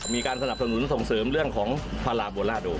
มีการสนับสนุนส่งเสริมเรื่องของพาราโบราโด